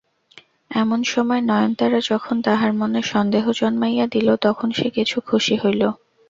এমন সময় নয়নতারা যখন তাহার মনে সন্দেহ জন্মাইয়া দিল তখন সে কিছু খুশি হইল।